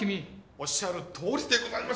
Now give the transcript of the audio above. おっしゃるとおりでございます！